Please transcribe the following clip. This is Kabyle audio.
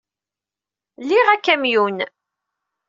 Liɣ akamyun.